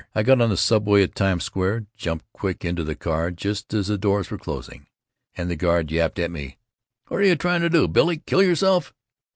I got on the subway at Times Square, jumped quick into the car just as the doors were closing, and the guard yapped at me, "What are you trying to do, Billy, kill yourself?"